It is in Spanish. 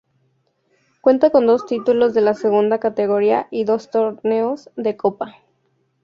Cuenta con dos títulos de la segunda categoría y dos torneos de copa.